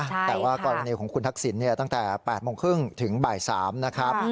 แต่ว่ากรณีของคุณทักษิณตั้งแต่๘โมงครึ่งถึงบ่าย๓นะครับ